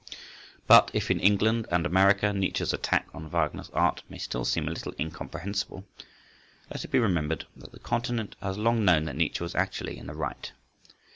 But if in England and America Nietzsche's attack on Wagner's art may still seem a little incomprehensible, let it be remembered that the Continent has long known that Nietzsche was actually in the right.